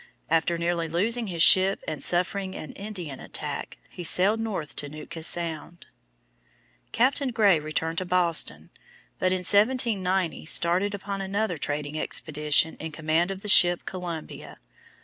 After nearly losing his ship and suffering an Indian attack, he sailed north to Nootka Sound. Captain Gray returned to Boston, but in 1790 started upon another trading expedition in command of the ship Columbia.